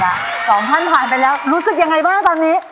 สองท่านผ่านไปแล้วรู้สึกยังไงบ้างตอนนี้